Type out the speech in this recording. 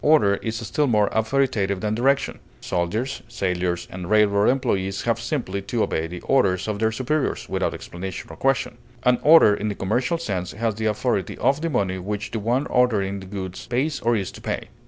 Order is still more authoritative than direction; soldiers, sailors, and railroad employees have simply to obey the orders of their superiors, without explanation or question; an order in the commercial sense has the authority of the money which the one ordering the goods pays or is to pay.